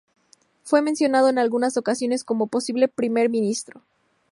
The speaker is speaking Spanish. Fue mencionado en algunas ocasiones como posible primer ministro.